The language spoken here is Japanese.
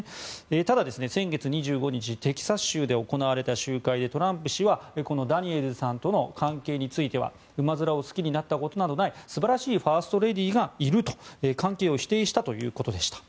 ただ、先月２５日テキサス州で行われた集会でトランプ氏はこのダニエルズさんとの関係については馬面を好きになったことなどない素晴らしいファーストレディーがいると関係を否定したということでした。